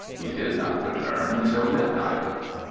He did not return till midnight.